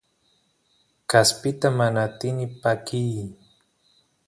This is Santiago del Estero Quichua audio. kaspita mana atini pakiy